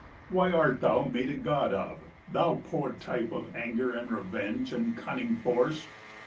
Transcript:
Why art thou made a god of, thou poor type Of anger, and revenge, and cunning force?